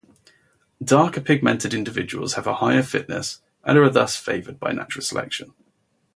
Darker pigmented individuals have a higher fitness and are thus favored by natural selection.